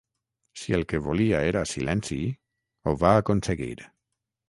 Si el que volia era silenci, ho va aconseguir.